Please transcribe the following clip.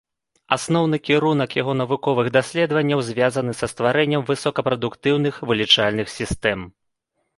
Асноўны кірунак яго навуковых даследаванняў звязаны са стварэннем высокапрадукцыйных вылічальных сістэм.